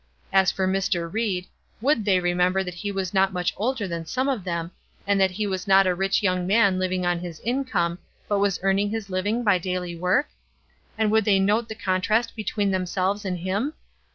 As for Mr. Ried, would they remember that he was not much older than some of them, and that he was not a rich young man living on his income, but was earning his living by daily work? and would they note the contrast between themselves and him?